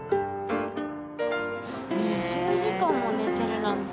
２０時間も寝てるなんて。